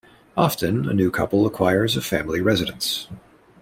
Often a new couple acquires a family residence.